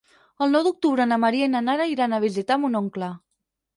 El nou d'octubre na Maria i na Nara iran a visitar mon oncle.